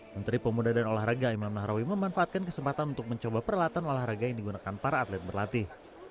menteri pemuda dan olahraga imam nahrawi memanfaatkan kesempatan untuk mencoba peralatan olahraga yang digunakan para atlet berlatih